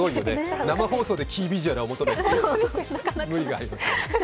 生放送でキービジュアル求めるのは無理があります。